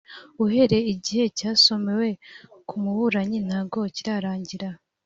uhereye igihe cyasomewe ku muburanyi ntago kirarangira.